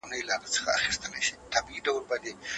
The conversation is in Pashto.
هغه غوښه چې تریخ خوند ورکوي، حتماً په مکروب ککړه شوې ده.